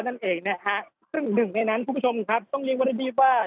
นั่นเองนะฮะซึ่งหนึ่งในนั้นคุณผู้ชมครับต้องเรียกว่ารีบว่า